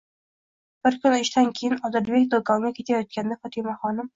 Bir kun ishdan keyin Odilbek do'konga ketayotganda Fotimaxonim: